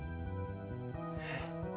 えっ？